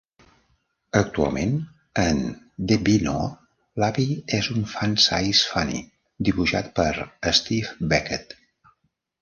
Actualment, en "The Beano", l'avi és un "Funsize Funnie" dibuixat per Steve Beckett.